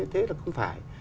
thế là không phải